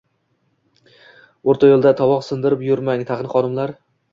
O`rta yo`lda tovoq sindirib yurmang, tag`in, xonimlar